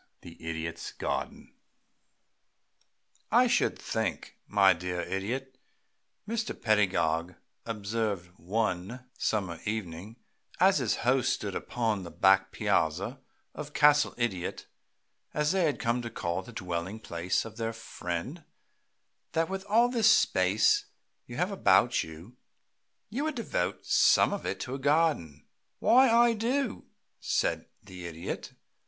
VI THE IDIOT'S GARDEN "I should think, my dear Idiot," Mr. Pedagog observed one summer evening, as his host stood upon the back piazza of "Castle Idiot," as they had come to call the dwelling place of their friend, "that with all this space you have about you, you would devote some of it to a garden." "Why, I do," said the Idiot.